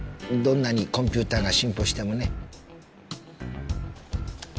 どんなにコンピューターが進歩してもね。